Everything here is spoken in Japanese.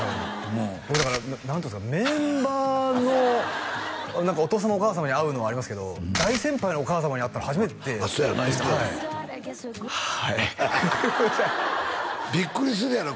僕だから何ていうんですかメンバーのお父様お母様に会うのはありますけど大先輩のお母様に会ったの初めてでしたはいはいごめんなさいビックリするやろ？